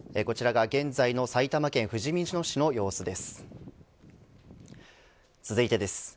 こちらが現在の埼玉県ふじみ野市の様子です。